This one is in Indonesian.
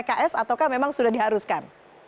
pks ataukah memang sudah diharuskan